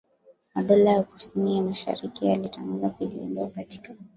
madola ya kusini mashariki yalitangaza kujiondoa katika